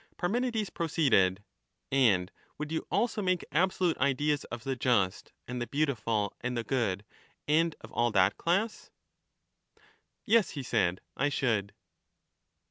Parmenides proceeded : And would you also make absolute Parmenides ideas of the just and the beautiful and the good, and of all ^^^ates that class ? whether he Yes, he said, I should.